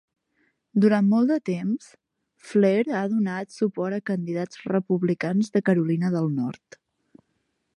Durant molt de temps, Flair ha donat suport a candidats republicans de Carolina del Nord.